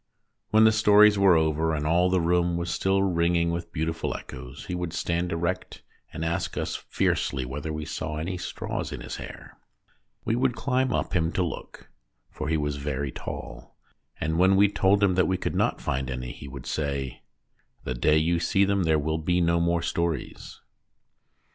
When the stories were over, and all the room was still ringing with beautiful echoes, he would stand erect and ask us fiercely whether we saw any straws in his hair. We would climb up him to look (for he was very tall), and when we told him that we could not find any he would say : "The day you see them there will be no more stories."